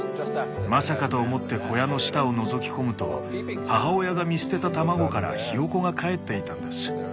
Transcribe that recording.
まさかと思って小屋の下をのぞき込むと母親が見捨てた卵からヒヨコがかえっていたんです。